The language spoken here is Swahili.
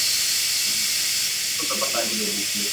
ilioasisiwa na Kemel Ataturk baada ya Vita vya